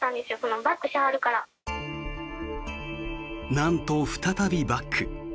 なんと再びバック。